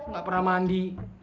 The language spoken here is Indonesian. gak pernah mandi